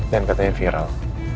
dan katanya viral